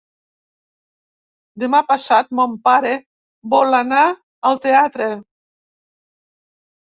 Demà passat mon pare vol anar al teatre.